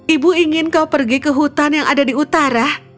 ibu ingin kau pergi ke hutan yang ada di utara